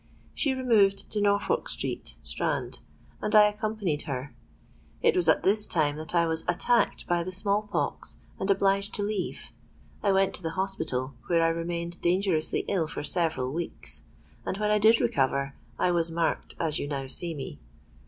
She removed to Norfolk Street, Strand: and I accompanied her. It was at this time that I was attacked by the small pox, and obliged to leave. I went to the hospital, where I remained dangerously ill for several weeks; and, when I did recover, I was marked as you now see me.